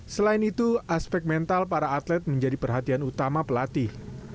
selain itu aspek mental para atlet menjadi perhatian utama pelatih